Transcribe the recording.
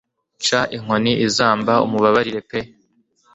Ca inkoni izambaumubabarire pe